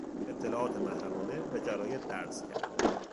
اطلاعات محرمانه به جراید درز کرد.